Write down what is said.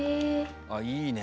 あっいいね。